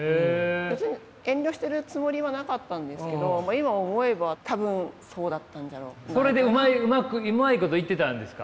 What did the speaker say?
別に遠慮してるつもりはなかったんですけど今思えば多分そうだったんじゃ。それでうまいこといってたんですか？